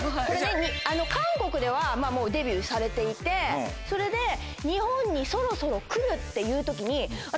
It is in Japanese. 韓国ではデビューされていてそれで日本にそろそろ来るっていう時に私